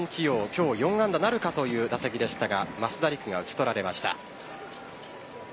今日４安打なるかという打席でしたが増田陸が打ち取られました。